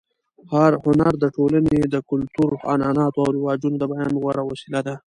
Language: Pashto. هنر د ټولنې د کلتور، عنعناتو او رواجونو د بیان غوره وسیله ده.